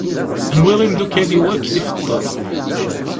Nwiɣ imeddukal-iw akk tifeḍ-ten.